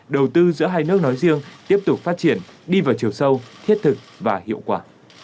đầu tư giữa hai nước nói riêng tiếp tục phát triển đi vào chiều sâu thiết thực và hiệu quả